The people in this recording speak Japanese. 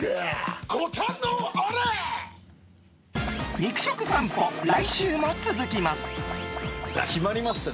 肉食さんぽ、来週も続きます。